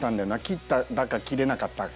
切っただか切れなかったか。